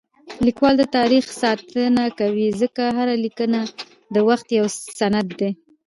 لیکوالی د تاریخ ساتنه کوي ځکه هره لیکنه د وخت یو سند دی.